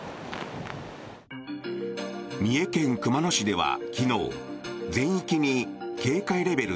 三重県熊野市では昨日、全域に警戒レベル